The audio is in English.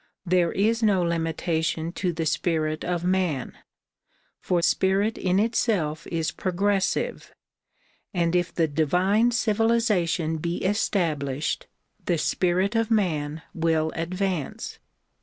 There is no limitation to the spirit of man, for spirit in itself is progressive and if the divine civiliza tion be established the spirit of man will advance.